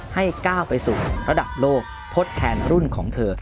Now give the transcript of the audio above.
ให้ก้าวไปสู่ระดับโลกทดแทนรุ่นของเธอ